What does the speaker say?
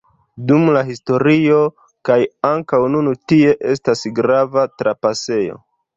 Dum la historio, kaj ankaŭ nun tie estas grava trapasejo.